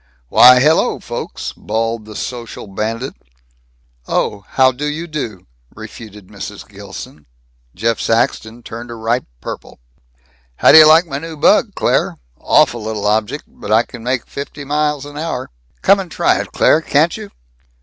"Why, hello folks," bawled the social bandit. "Oh. How do you do," refuted Mrs. Gilson. Jeff Saxton turned a ripe purple. "How do you like my new bug, Claire? Awful little object. But I can make fifty an hour. Come and try it, Claire, can't you?"